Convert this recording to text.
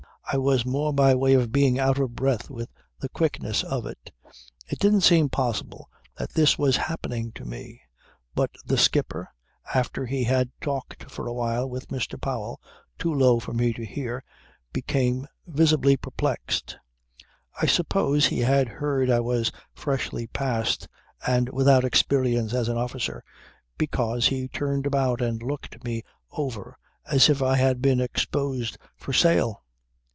I was more by way of being out of breath with the quickness of it. It didn't seem possible that this was happening to me. But the skipper, after he had talked for a while with Mr. Powell, too low for me to hear became visibly perplexed. "I suppose he had heard I was freshly passed and without experience as an officer, because he turned about and looked me over as if I had been exposed for sale.